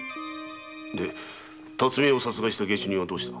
で巽屋を殺害した下手人はどうした？